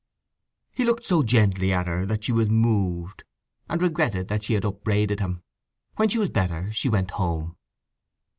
He looked so gently at her that she was moved, and regretted that she had upbraided him. When she was better she went home.